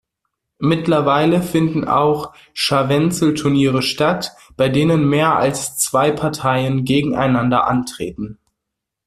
Mittlerweile finden auch Scharwenzel-Turniere statt, bei denen mehr als zwei Parteien gegeneinander antreten.